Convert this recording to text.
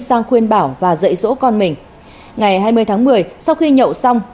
sang khuyên bảo và dạy dỗ con mình ngày hai mươi tháng một mươi sau khi nhậu xong